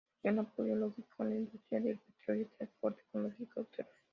Proporciona apoyo logístico a la industria del petróleo y transporte con los helicópteros.